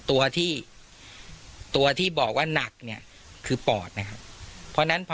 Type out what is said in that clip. ตัวที่ตัวที่บอกว่าหนักเนี่ยคือปอดนะครับเพราะฉะนั้นพอ